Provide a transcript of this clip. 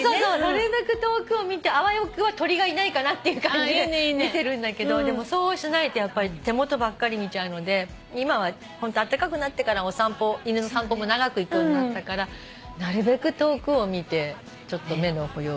なるべく遠くを見てあわよくば鳥がいないかな？っていう感じで見てるんだけどでもそうしないとやっぱり手元ばっかり見ちゃうので今はホントあったかくなってから犬の散歩も長く行くようになったからなるべく遠くを見てちょっと目の保養は。